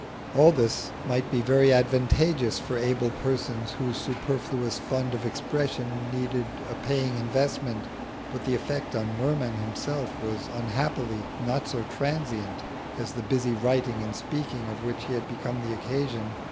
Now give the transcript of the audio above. All this might be very advantageous for able persons whose superfluous fund of expression needed a paying investment, but the effect on Merman himself was unhappily not so transient as the busy writing and speaking of which he had become the occasion.